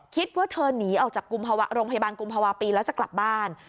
คิดว่าเธอหนีออกจากโรงพยาบาลกุมภาวะปีแล้วจะกลับบ้าน